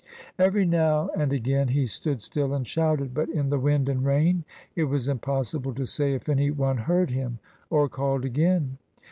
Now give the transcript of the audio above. Every now and again he stood still and shouted. But in the wind and rain it was impossible to say if any one heard him or called again.